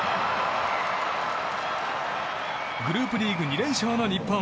グループリーグ２連勝の日本。